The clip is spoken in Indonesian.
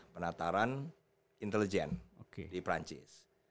penataran intelijen di perancis